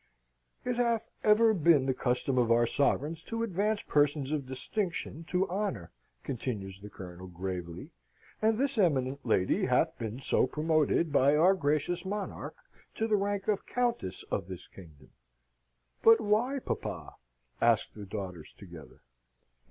"It hath ever been the custom of our sovereigns to advance persons of distinction to honour," continues the Colonel, gravely, "and this eminent lady hath been so promoted by our gracious monarch, to the rank of Countess of this kingdom." "But why, papa?" asked the daughters together.